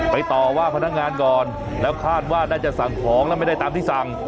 ต่อว่าพนักงานก่อนแล้วคาดว่าน่าจะสั่งของแล้วไม่ได้ตามที่สั่ง